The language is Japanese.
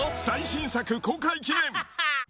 最新作公開記念。